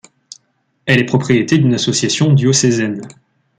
Elle est propriété d'une association diocésaine.